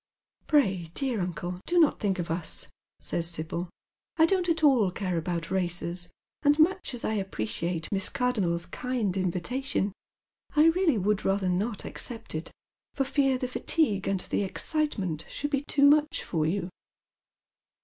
Pray, dear uncle, do not think of us," says Sibyl, " I don't a* all care about races, and, much as I appreciate Miss Cardonnel's kind invitation, I reaUy would rather not accept it, for fear the fatif^^ue and the excitement should be too much for you."